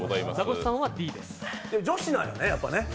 女子なんやね、やっぱね。